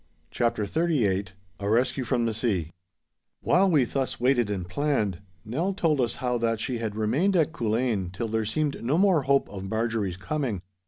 *CHAPTER XXXVIII* *A RESCUE FROM THE SEA* While we thus waited and planned, Nell told us how that she had remained at Culzean till there seemed no more hope of Marjorie's coming.